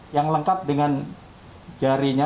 yang lengkap dengan jarinya